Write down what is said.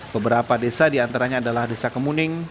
beberapa desa diantaranya adalah desa kemuning